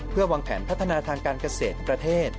เพื่อวางแผนพัฒนาทางการเกษตรประเทศ